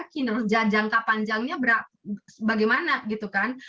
kinerja jangka panjangnya bagaimana gitu kan